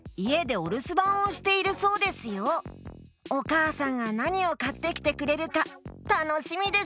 おかあさんがなにをかってきてくれるかたのしみですねえ！